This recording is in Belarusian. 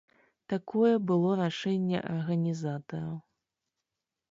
Такое было рашэнне арганізатараў.